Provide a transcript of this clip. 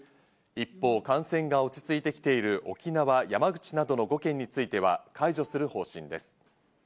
一方、感染が落ち着いてきている沖縄、山口などの５県については解除する方針です。